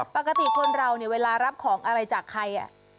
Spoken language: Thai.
ปกติคนเราเนี่ยเวลารับของอะไรจากใคร